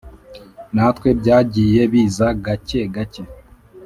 Natwe byagiye biza gake gake